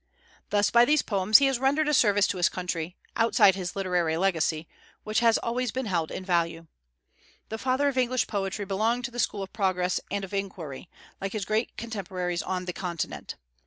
Thus by these poems he has rendered a service to his country, outside his literary legacy, which has always been held in value. The father of English poetry belonged to the school of progress and of inquiry, like his great contemporaries on the Continent.